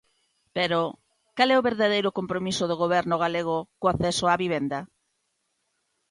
Pero, cal é o verdadeiro compromiso do Goberno galego co acceso á vivenda?